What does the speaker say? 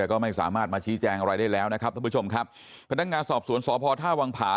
ก็ไม่สามารถมาชี้แจงอะไรได้แล้วนะครับท่านผู้ชมครับพนักงานสอบสวนสพท่าวังผา